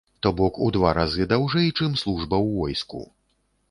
То бок у два разы даўжэй, чым служба ў войску.